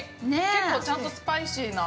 結構ちゃんとスパイシーな。